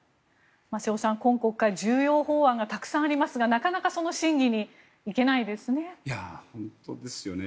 瀬尾さん、今国会重要法案がたくさんありますがなかなかその審議に行けないですね。